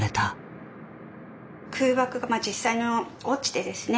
空爆が実際に落ちてですね